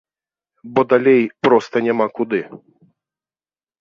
Бо далей проста няма куды.